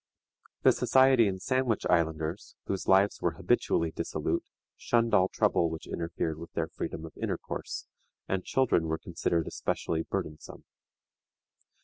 The Society and Sandwich Islanders, whose lives were habitually dissolute, shunned all trouble which interfered with their freedom of intercourse, and children were considered especially burdensome.